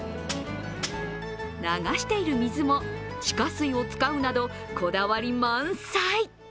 流している水も地下水を使うなどこだわり満載。